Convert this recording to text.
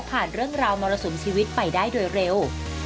เรื่องราวมรสุมชีวิตไปได้โดยเร็ว